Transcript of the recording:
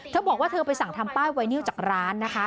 เธอบอกว่าเธอไปสั่งทำป้ายไวนิวจากร้านนะคะ